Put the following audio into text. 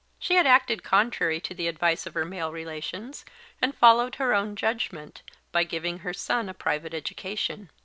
She had acted contrary to the advice of her male relations, and followed her own judgment, by giving her son a private education.